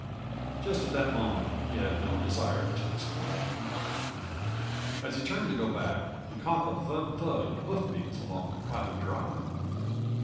Just at that moment he had no desire to explain.32 As he turned to go back, he caught the thud thud of hoof beats along the private drive.